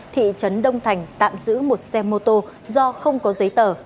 thị trấn đông thành tạm giữ một xe mô tô do không có giấy tờ